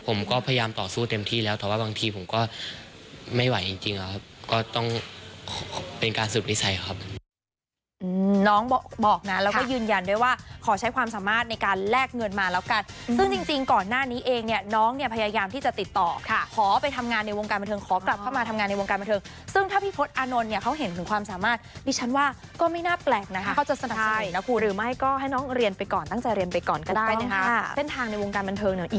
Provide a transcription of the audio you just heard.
ผมก็พยายามต่อสู้เต็มที่แล้วแต่ว่าบางทีผมก็ไม่ไหวจริงครับก็ต้องเป็นการสืบนิสัยครับ